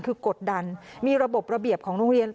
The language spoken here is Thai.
คือกดดันมีระบบระเบียบของโรงเรียน